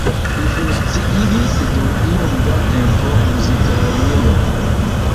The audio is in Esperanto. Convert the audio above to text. Li funkciigis dum iom da tempo muziklernejon.